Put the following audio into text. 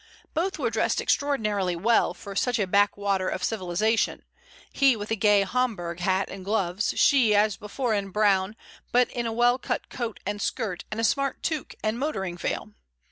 Both were dressed extraordinarily well for such a backwater of civilization, he with a gray Homburg hat and gloves, she as before in brown, but in a well cut coat and skirt and a smart toque and motoring veil.